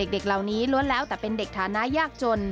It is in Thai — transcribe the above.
เด็กเหล่านี้ล้วนแล้วแต่เป็นเด็กฐานะยากจน